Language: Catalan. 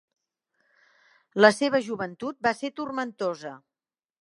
La seva joventut va ser turmentosa.